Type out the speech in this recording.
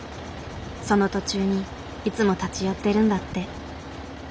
その途中にいつも立ち寄ってるんだって。